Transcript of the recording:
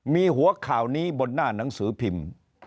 มีหัวข่าวนี้บนหน้าหนังสือพิมพ์